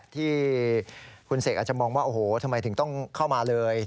ที่คุณเสกอาจจะมองว่าโอ้โหทำไมถึงต้องเข้ามาเลย